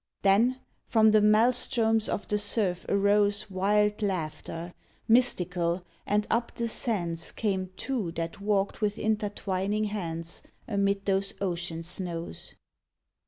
Then from the maelstroms of the surf arose Wild laughter, mystical, and up the sands Came Two that walked with intertwining hands Amid those ocean snows.